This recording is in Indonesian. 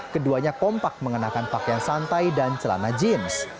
keduanya kompak mengenakan pakaian santai dan celana jeans